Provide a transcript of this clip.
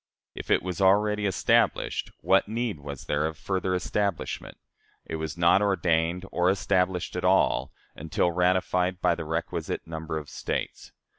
If it was already established, what need was there of further establishment? It was not ordained or established at all, until ratified by the requisite number of States.